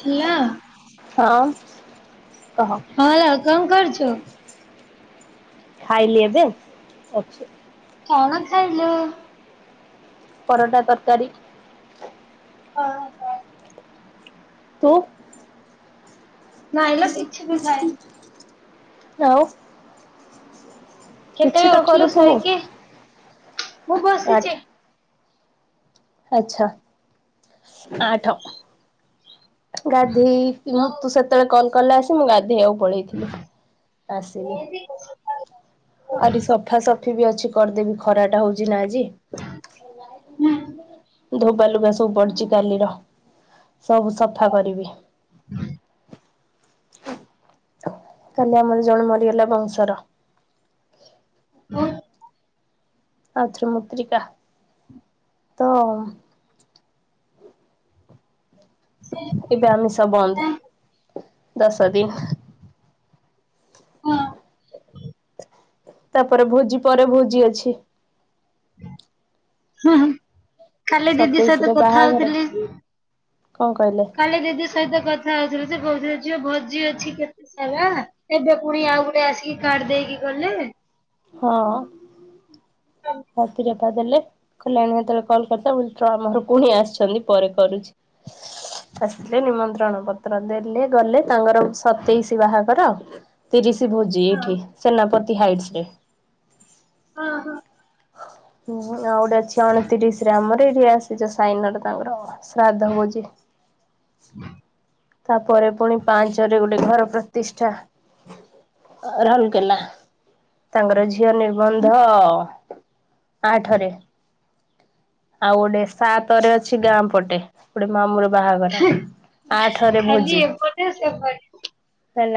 କିଆଁ। ହଁ। କହ ହଁ ଲୋ କଣ କରୁଚୁ? ଖାଇଲି ଏବେ ଅଛି। କଣ ଖାଇଲୁ? ପରଟା ତରକାରୀ। ଓହୋ। ତୁ। ନାଇଁଲୋ କିଛି ବି ଖାଇନି। ଆଉ। କିଛି କେତେବେଳେ ତ ଉଠିଲୁ କରୁଥିବୁ। ଶୋଇକି? ମୁଁ ଆଠ ବସିଛି। ଆଚ୍ଛା ଆଠ। ଗାଧେଇ ମୁଁ ହଁ ତୁ ସେତେବେଳେ କଲ କଲେ ଆସି ମୁଁ ଗାଧେଇ ଆକୁ ପଳେଇଥିଲି ଆସିଲି। କାଲି ଆହୁରି ସଫାସଫି ବି ଅଛି କରିଦେବି ଖରାଟା ହଉଛି ନା ଆ ଜି ଧୋବା ଲୁଗା ସବୁ ପଡିଛି କାଲିର। ସବୁ ସଫା କରିବି। କାଲି ଆମର ଜଣେ ମରିଗଲା ବଂଶର। ହଁ ଆଧ୍ରିମତ୍ରିକା ତ ଏବୋମିଶା ବନ୍ଦ ଦଶା ଦିନ। ହଁ। ତାପରେ ଭୋଜି ପରେ ଭୋଜି ଅଛି। ହ କାଲି ଦିଦି ସହିତ ସତେଇଶରେ କଥା ବାହାଘର ହଉଥିଲି। କଣ କହିଲେ କାଲି ଦିଦି ସହିତ କଥା ହେଉ କହୁ ଯ ଭୋଜି ଅଛି କେତେ ସାରା ଏବେ ପୁଣି ଆଉ ଗୋେ ଆସିକି କାଡ ଦେଇକି ଗଲେ। ହଁ ହଁ ରାତିରେ। କଥା ଦେଲେ କିଲଣ ଯେତେବେଳେ କଲ୍ କରି ବ ଆମର ପୁଣି ଆସିଛନ୍ତି ପରେ କରୁଛି। ଆସିଲଥିଲେ ନିମନ୍ତ। ଣ ପତ୍ର ଦେଲେ ଗଲେ ତାଙ୍କର ସତେଇଶ ବାହାଘର ତିରିଶ ଭୋଜି ଏଇଠି ସେନାପତି ହାଇଟସ ରେ ହଁ ହଁ। ହୁଁ ଆଉ ଗୋଟେ ଅଛି ଅଣତିରିଶ ରେ ଆମର ଏଇଠି ଆସିଛ ସାଇନା ଟା ତାଙ୍କର। ଶ୍ରାଦ୍ଧ ବ ଯେ। ତାପରେ ପୁଣି ପାଞ୍ଚରେ ଗୋଟେ ଘର ପ୍ରତିଷ୍ଠା। ରଲକେଲା ତାଙ୍କର ଝିଅ ନିର୍ବନ୍ଧ। ଆଠରେ। ଆଉ ଗୋଟେ ସାତରେ ଅଛି ଗାଁ ପଟେ ଗୋଟେ ମାମର ବାହାଘର। ଥରେ ଖାଲି ଭୋଜି ଏପଟେ ସେପଟେ ଆଉ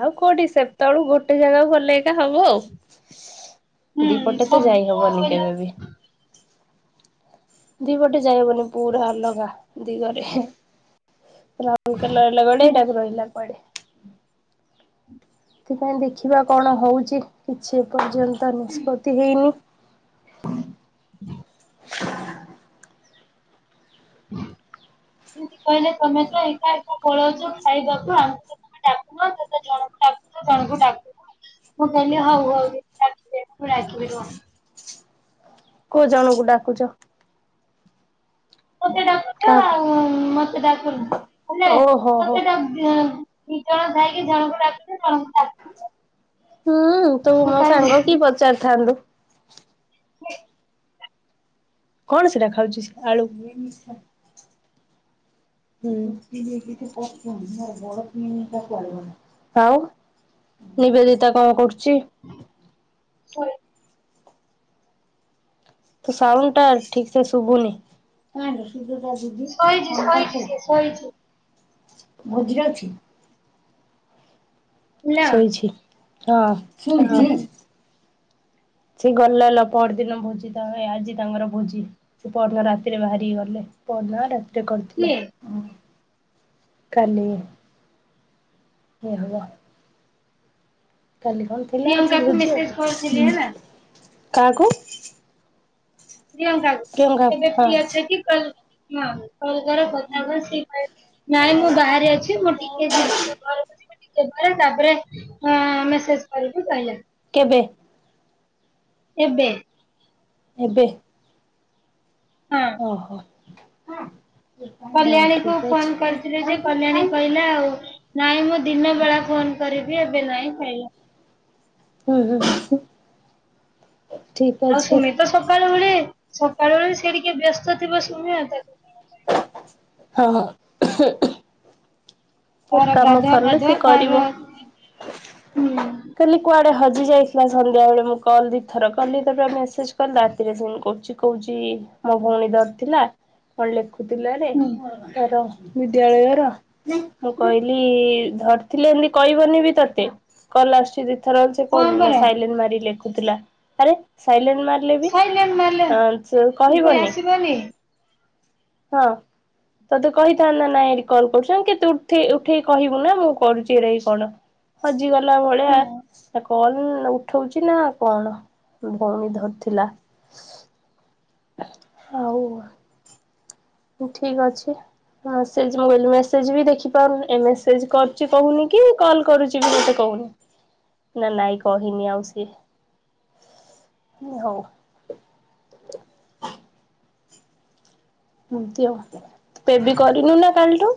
କ କଉଠି ସେତେବେଳେ ଗୋଟେ ଜାଗା ଗଲେ ହବ ଆଉ ହୁଁ ଦିପଟେ ତ ଯାଇ ସବୁ ହବନି ହେଲା କେବେ ବି। ଦିପଟେ ଯାଇବନି ପୁରା ଅଲଗା। ରାହୁଲକେଲାରେରହି ଗଡି ହୁଁ ଟାଗ ରହିଲଲା ପେ ହୁଁ। ସେଥିପାଇଁ ଦେଖିବା କଣ ହଉଛି କିଛି ପର୍ଯ୍ୟନ୍ତ ନିଷ୍ପତି ଇନି। [unintelligible] କହିଲେ ତମେ ତ ଏଇଟା। ପଳଉଛ ଖାଇବାକୁ ଆମେ ତମେ ଡାକୁନ ସେତ ଜଣଙ୍କୁ ଡାଛ ଜଣଙ୍କୁ ଡାକୁନ। ମୁଁ କହିଲଲି ହଉ ହଉ ଢାକିବି ରୁହ। କୋଉ ଜଣକୁ ଡାକୁଛ। ମତେ ଡାକୁଛ କାହାକୁ? ଆଉ ମତେ ଡାକୁ ହେଲେ ଓହୋ ହୋ ମତେଟ ଦିକଣ ଭାଇ ଜଣକୁ ଡାକୁଚ ଜଣ କୁଡାକୁଚ। ହୁଁ ତୁ ମୋ ସାଙ୍ଗ କି ପଚାରିଥାନ୍ତୁ। [unintelligible] କଣ ସେଟା ଖାଉଛି ଆଳୁ ବିମିଶି। ହ ହୁଁ କିଛିଛ ବା କରିବ ଆଉ। ନିବେଦିତା କାମ କରୁଛି। ଶୋଇ ତ ସାଉଣ୍ଡ ଟା ଠିକ ସେ ଶୁବୁନି? ଦିଦିଙ୍କ ଶୋଇଛି ଶୋଇଛି କରୁଥିଲ ସିଏ ଶୋଇଛି ଭୋଜିଅଛି। ହେଲା ଶୋଇଛି ହଁ। ହୁଁ ସି ଗଲେ ଲ ପର ଦିନ ଭୋଜି ତ ଆଜି ତାଙ୍କର ଭୋଜି ସେ ପହଦିନ ରାତିରେ ବାହାରିକି ଗଲେ। ପନଦିନ ରାତରେ କରିଥିଲା। କିଏ କାଲି ଏହେବ। କାଲି କଣ ଥିଲା ଆଜି ପ୍ରିୟଙ୍କାକୁ ଭୋଜିଁ ମେସେଜ କରିଥିଲି ହେଲା କାହାକୁ? ପ୍ରିୟଙ୍କା କେଉଁ କୁ କାହାକୁ ଏବେ ହଁ ଫ୍ରିଛ କି କଲ ହଁ। କଲ କର କଥା ହବା ସେ କିବ ନାଇଁ ମୁଁ ବାହାରେ ଅଛି ମୁଁ ଟିକେ ଯିବି ଘରକୁ। ଟେ ପରେ ତାପରେ ଆମେ ସେଷ କରିବୁ କହିଲେ। କେବେ? ଏବେ। ଏବେ। ହଁ ଓହୋ। ହଉ କଲ୍ୟାଣୀ କୁ ଠିକ ଫୋନ ଅଛି କରିଥିଲୁ ଯେ କଲ୍ୟାଣୀ କହିଲା ଆଉ ନାଇଁ ମୁଁ ଦିନ ବଳା ଫୋନ କରିବି ଏବେ ନାଇଁ ଖାଇ ହୁଁ ହୁ ଆଉ ସୁମେତ ସକାଳୁ ବଳି ସକାଳୁ ସେଇ ଟିକେ ବ୍ୟସ୍ତ ଥିବ ସୁମେ ତାକୁ ହଁ ହଁ। ତୋର ତାର କାମ ଗାଧୁଆ ସରିଲେ ପାଧୁଆ ସି ତାର କରିବ ହୁଁ କାଲି କୁଆଡେ ହଜ ହଜି ଯାଇଥିଲା ସନ୍ଧ୍ୟାବେଳେ ମୁଁ କଲ ଦିଇ ଥର କଲି ତାପରେ ମେସେଜ୍ କଲି ରାତିରେ ସେଣ୍ଡ କହୁଛି କହୁଛି। ମୋ ଭଉଣୀ ଦର ଥିଲା କଣ ଲେଖୁ ଥିଲାରେ ହୁଁ ତାର ବିଦ୍ୟାଳୟର ମୁଁ କହିଲି ଧରିଥିଲି ଏମିତି କହିବନି ବି ତତେ କଲ ଆସୁଛି ଥର ହଁ କହୁନି ନା ପରା ସାଇଲେନ ମାରି ଲେଖୁଥିଲା ଆରେ ସାଇଲେନ ମାରିଲେ ବି ସାଇଲେଣ୍ଟ ମାରିଲେ ଅସିଏ ଉପରେ କହିବନି। ଆସିବନି ହୁଁ ହଁ ତତେ କହିଥାନ୍ତା ନାଇଁ ଏଠି କଲ୍ କରୁଛନ୍ କେତୁ ଉଠେଇ ଉଠେଇ କହିବୁ ନା ମୁଁ କରୁଛି ଏରା କଣ ହଜିଗଲା ଭଳିଆ କଣ ଉଠଉଛି ନା କଣ ଭଉଣୀ ଧରିଥିଲା। ହଉ ଠିକ ଅଛି। ହଁ ସେ ମୁଁ କହିଲି ମେସେଜ ବି ଦେଖିପାରୁନି ଏ ମେସେଜ କରୁଛି କହୁନି କି କଲ୍ କରୁଛି ମତେ କହୁ ନା ନାଇଁ କହିନି ଆଉ ସିଏ ହଁ ହଉ। ଏମତି ଆଉ ତୁ ପେ ବି କରିନୁ ନା କାଲିଠୁ?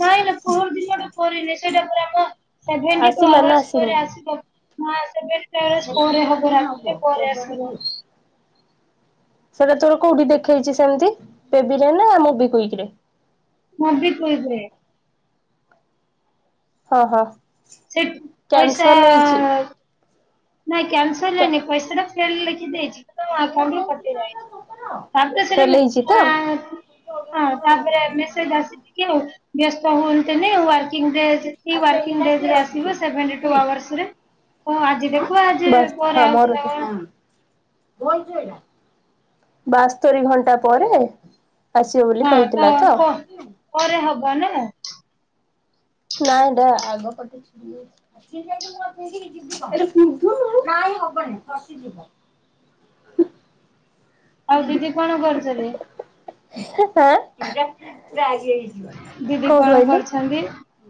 ନାଇଁ ନା ପହର ଦିନଠୁ କରିନି ସେଇଟା ଆମ ସେଭେନଟି ଟୁ ଆସିଲା ନା ଆୱାରସ ଆସିନି? ପରେ ଆସିବ। ହ ସେଭେନଟି ଆୱାରସ ପରେ ହବ ରାତିରେ ପରେ ଆସିବ। ସେଟା ତୋର କୋଉଠି ଦେଖେଇଛି ସେମିତି ପେବିରେ ନା ମୁବିକୁଇକିରେ? ମୁବି କୁଇକରେ। ହଁ ହଁ ସେ ପଇସା କ୍ୟାନ୍ସଲ ହେଇଛି। ନାଇଁ କ୍ୟାନ୍ସଲ ନେଇନି ପଇସାଟା ଫେଲ ଲେଖି ଦେଇଛି ତ ଆକାଉଣ୍ଟ ରୁ କଟିଯାଇଛି। ତାପରେ ସେଟା ଫେଲ ହେଇଛି ତ [unintelligible] ତାପରେ ମେସଜ ଆସିଛି କି ଆଉ। ବ୍ୟସ୍ତ ହୁଅନ୍ତନି ୱାର୍କିଂ ଡେ ଯେତିକି ୱାର୍କିଙ୍ଗ ଡେଜରେ ଆସିବ ସେଭେନଟି ଟୁ ଆୱାରସ ରେ [unintelligible] ବସ୍ ପରେ ହାମର ଆଉଥିଲା କଣ ବାସ୍ତରି ଘଣ୍ଟା ପରେ ଆସିବ ବୋଲି ହଁ କହିଥିଲା ତ। ପ ପରେ ହବ ନା ନାଇଁ [unintelligible] ଆଗ ପଟେ ହବନି ଫସିଯିବ। ଆଉ ଦିଦି କଣ କରୁଛନ୍ତି? [unintelligible] ଦିଦି କରୁଛନ୍ତି? କଣ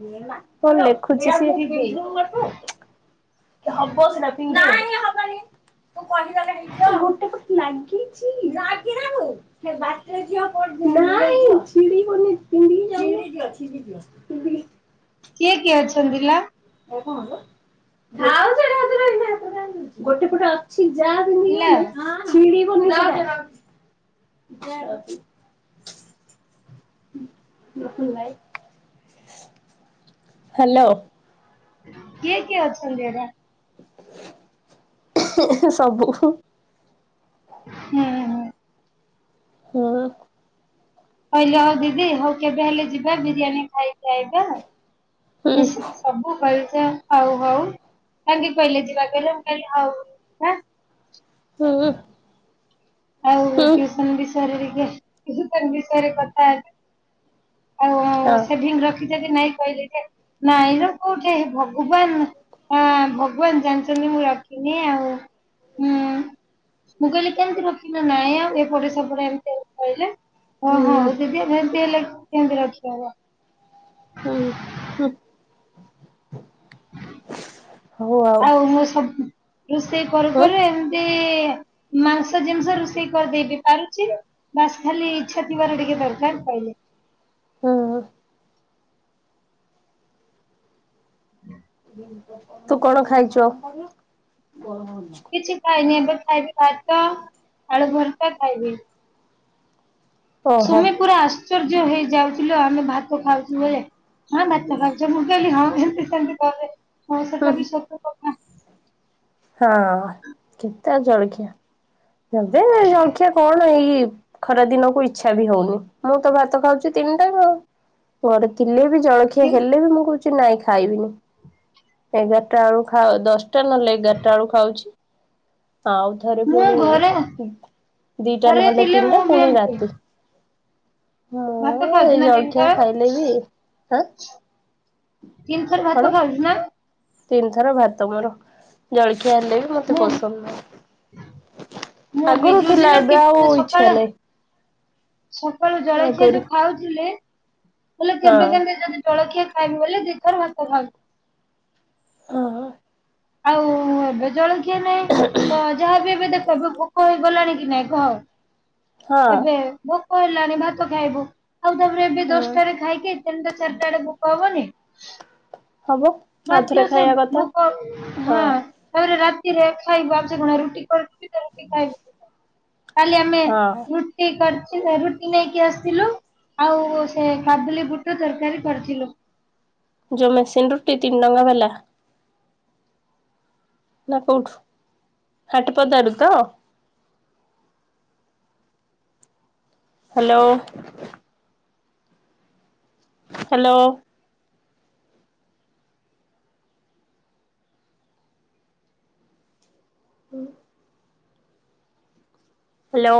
ଦିଦି କହିଲୁ? ଖୋଜୁଛି [inaudible] [unintelligible] [unintelligible] କିଏ କିଏ ଅଛନ୍ତି ଲୋ? [unintelligible] ଯାହା ପିନ୍ଧିଲି ହେଲା ଗଲେ ଛିଡିବନି ସେଟା। ଜୟ ର ହାଲୋ। କିଏ କିଏ ଅଛନ୍ତି ଏରା ସବୁ। ହୁଁ ହଁ। ହଁ। କହିଲେ ହଉ ଦିଦି ହଉ କେବେ ହେଲେ ଯିବା ବିରିୟାନୀ ଖାଇକି ଆଇବା। ହୁଁ। ମିଶିକି ସବୁ କରିଛ ହଉ ହଉ। କାଇନ୍କି କହିଲେ ଯିବା କହିଲେ ମୁଁ କହିଲି ହଉ। ହୁଁ। ଆଉ ହଁ ଟିଉସନ ବିଷୟରେ ଟିକେ ଟିଉସନ ବିଷୟରେ କଥା ହେବି। ଆଉ ସେଭିଂ ରଖିଚ କି ନାଇଁ କହିଲ ଯେ, ନାଇଁ ର କୋଉଠି ଏ ଭଗବାନ ହଁ ଭଗବାନ ଜାଣିଚନ୍ତି ମୁଁ ରଖିନି ଆଉ ହୁଁ। ମୁ କହିଲି କେମତି ନାଇଁ ଆଉ ଏପଟ ସେପଟେ ଏମିତି କହିଲେ ହ ହୁଁ ହୁଁ ହଉ ଦିଦି ଏମତି ହେଲେ କେମନ୍ତି ରଖିହବ। ହୁଁ [inaudible] ଆଉ ମୁଁ ସବୁ ରୋଷେଇ କରୁ ହଁ କରୁ ଏମିତି [inaudible] ମାଂସ ଜିନିଷ ରୋଷେଇ କରିଦେଇ ବି ପାରୁଚି, ବାସ୍ ଖାଲି ଇଛା ଥିବାର ଟିକେ ଦରକାର କହିଲେ। ହୁଁ। ତୁ କଣ ଖାଇଚୁ? କିଛି ଖାଇନି ଏବେ ଖାଇବି ଭାତ ଆଳୁଭର୍ତା ଖାଇବି। ଓହୋ ସୁମି ପୁରା ଆଶ୍ଚର୍ଯ୍ୟ ହେଇଯାଉଚି ଲୋ ଆମେ ଭାତ ଖାଉଚୁ ବେଳେ। ନାହିଁ ଭାତ ଖାଉଚ ମୁଁ କହିଲି ହଁ ଏମତି ସେମିତି କରେ ସେଟା ହୁଁ। ବି ସତ କଥା। ହଁ କେତେ ଆଉ ଜଳଖିଆ ଏବେ ଜଳଖିଆ କଣ ଏଇ ଖରା ଦିନକୁ ଇଚ୍ଛା ବି ହଉନି, ମୁଁ ତ ଭାତ ଖାଉଛି ତିନି ଟାଏମ୍ ଆଉ। ପରେ ଥିଲେ ବି। ଜଳଖିଆ ହେଲେ ବି ମୁଁ କହୁଚି, ନାଇଁ ଖାଇବିନି ଏଗାରଟା ବେଳୁ ଖାଇ ଦଶଟା ଟା ନହେଲେ ଏଗାରଟା ବେଳକୁ ଖାଉଚି। ଆଉ ଥରେ ମୁଁ ପୁଣି ଘରେ ଦିଟା ଘରେ ନହେଲେ ଥିଲେ ମୁଁ ତିନିଟା ବି ପୁଣି ଏମିତି ରାତି। ଭାତ ମୁଁ ଏଇ ଖାଉଛୁ ନା ଜଳଖିଆ ତିନିଥର ଖାଇଲେ ବିଁ ଆ ତିନି ଥର ଭାତ ଖାଉଚୁ ନା? ତିନି ଥର ଭାତ ମୋର ଜଳଖିଆ ହେଲେ ବି ମତେ ମୁଁ ପସନ୍ଦ ନାହିଁ। ମୁଁ ବି ଆଗରୁ ଥିଲା ଯୋଉଦିନ ଏବେ ଆଉ ଟିପ ଇଛା ସକାଳେ ନାହିଁ। ସକାଳୁ ଜଳଖିଆ ଆଗରୁ। ଯୋଉ ଖାଉଥିଲେ, ହେଲେ କେବେ ହଁ କେବେ କେବେ ଯଦି ଜଳଖିଆ ଖାଇଲେ ବୋଲି ଦି ଥର ଭାତ ଖାଉଚି। ଅ ହଁ। ଆଉ ଏବେ ଜଳଖିଆ ନାହିଁ ତ ଯାହାବି ଏବେ ଦେଖ ଏବେ ପୋକ ହେଇ ଗଲାଣି କି ନାଇଁ ହଁ କହ ଏବେ ଭୋ କ ହେଲାଣି ଭାତ ଖାଇବୁ, ଆଉ ତାପରେ ଏବେ ହଁ ଦଶଟାରେ ଖାଇକି ତିନଟା ଚାରିଟା ବେଳେ ଭୋକ ହବନି? ହବ ହଥରେ ବାଧ୍ୟ ସେ ଖାଇବା କଥା ଭୋକ ହଁ। ରାତିରେ ଖାଇବୁ ଆଉ କଣ ରୁଟି ଖାଉଥିଲେ ରୁଟି ଖାଇବୁ କି? କାଲି ଆମେ ହଁ ରୁଟିକରି ରୁଟି ନେଇକି ଆସିଥିଲୁ ଆଉ ସେ କାବୁଲି ବୁଟ ତରକାରୀ କରିଥିଲୁ। ଜୋ ମେସିନ୍ ରୁଟି ତିନି ଟଙ୍କା ବାଲା? ନା କୋଉଠୁ ହାଟି ପଦାରୁ ତ? ହାଲୋ। ହାଲୋ। ହୁଁ। ହ୍ୟାଲୋ।